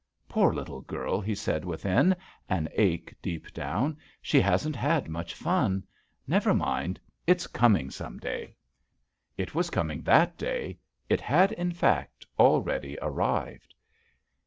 "Poor little girl," he said within, an ache deep down, "she hasn't had much fun. Never mind, it's coming some day." It was coming that day. It had in fact already arrived.